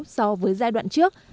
so với giai đoạn trước